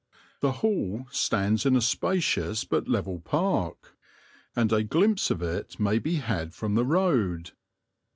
The Hall stands in a spacious but level park, and a glimpse of it may be had from the road.